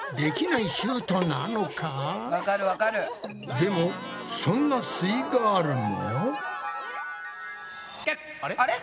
でもそんなすイガールも。